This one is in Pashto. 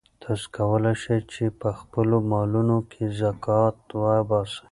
تاسو کولای شئ چې په خپلو مالونو کې زکات وباسئ.